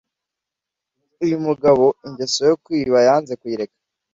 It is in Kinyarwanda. uyumugabo ingeso yo kwiba yanze kuyireka